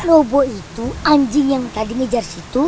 robo itu anjing yang tadi ngejar situ